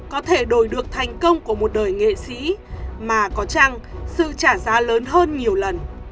có thể đổi được thành công của một đời nghệ sĩ mà có chăng sự trả giá lớn hơn nhiều lần